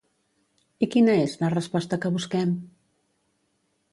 I quina és la resposta que busquem?